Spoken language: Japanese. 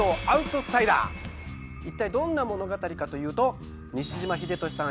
一体どんな物語かというと西島秀俊さん